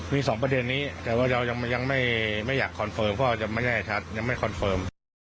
มีสองประเด็นนี้แต่ว่าเรายังไม่อยากคอนเฟิร์มเพราะว่ายังไม่แน่ชัดยังไม่คอนเฟิร์ม